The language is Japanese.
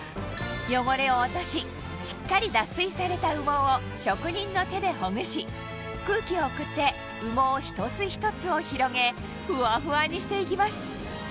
汚れを落とししっかり脱水された羽毛を職人の手でほぐし空気を送って羽毛一つ一つを広げフワフワにしていきます